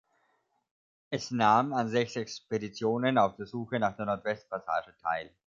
Es nahm an sechs Expeditionen auf der Suche nach der Nordwestpassage teil.